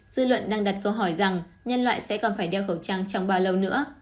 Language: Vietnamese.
dư luận đang đặt câu hỏi rằng nhân loại sẽ còn phải đeo khẩu trang trong bao lâu nữa